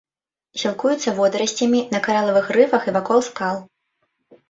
Сілкуюцца водарасцямі на каралавых рыфах і вакол скал.